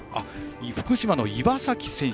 福島の岩崎選手